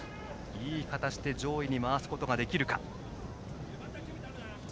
いい形で上位に回すことができるか。